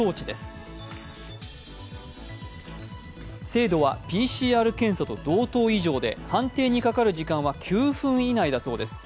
精度はＰＣＲ検査と同等以上で判定にかかる時間は９分以内だそうです。